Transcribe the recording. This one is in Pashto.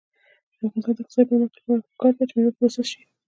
د افغانستان د اقتصادي پرمختګ لپاره پکار ده چې مېوې پروسس شي.